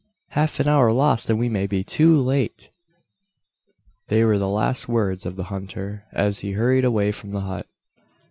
"Half an hour lost, and we may be too late!" They were the last words of the hunter, as he hurried away from the hut.